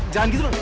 jangan gitu dong